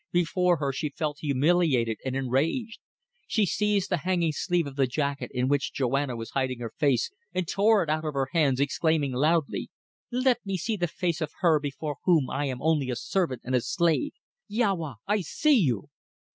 Before her she felt humiliated and enraged. She seized the hanging sleeve of the jacket in which Joanna was hiding her face and tore it out of her hands, exclaiming loudly "Let me see the face of her before whom I am only a servant and a slave. Ya wa! I see you!"